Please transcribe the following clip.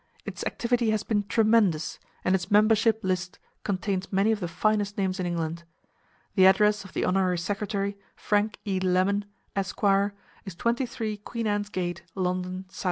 Its activity has been tremendous, and its membership list contains many of the finest names in England. The address of the Honorary Secretary, Frank E. Lemon, Esq., is 23 Queen Anne's Gate, London, S.W.